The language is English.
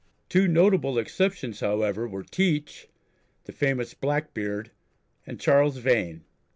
Two notable exceptions, however, were Teach, the famous "Blackbeard," and Charles Vane.